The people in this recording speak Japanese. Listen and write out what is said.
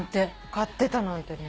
買ってたなんてね。